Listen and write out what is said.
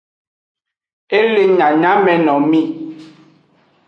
E le nyanyamenomi.